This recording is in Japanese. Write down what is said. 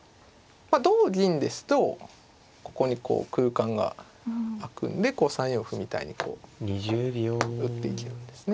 同銀ですとここにこう空間が空くんで３四歩みたいにこう打っていけるんですね。